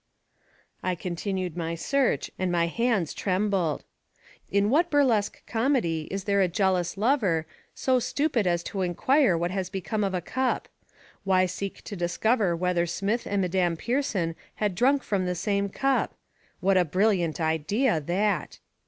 I continued my search and my hands trembled. In what burlesque comedy is there a jealous lover, so stupid as to inquire what has become of a cup? Why seek to discover whether Smith and Madame Pierson had drunk from the same cup? What a brilliant idea, that!